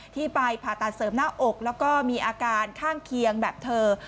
ที่ไปผ่าตัดเสริมหน้าอกแล้วก็มีอาการข้างเคียงแบบเธอ